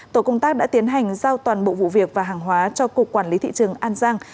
tổ công tác đã tiến hành giao toàn bộ vụ việc và hàng hóa cho cục quản lý thị trường an giang